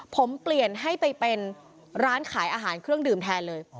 ผมเปลี่ยนให้ไปเป็นร้านขายอาหารเครื่องดื่มแทนเลย